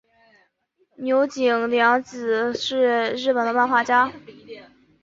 九井谅子是日本的漫画家。